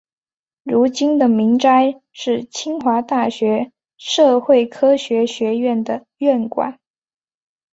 如今的明斋是清华大学社会科学学院的院馆。